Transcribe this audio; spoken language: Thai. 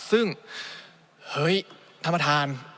ซึ่งเฮ้ยท่านประธาน